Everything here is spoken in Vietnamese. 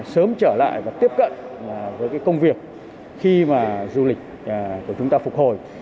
sớm trở lại và tiếp cận với cái công việc khi mà du lịch của chúng ta phục hồi